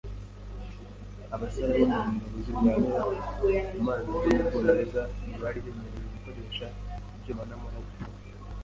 abasare bo mu ngabo zirwanira mu mazi zo mu Bwongereza ntibari bemerewe gukoresha ibyuma n'amahwa kuko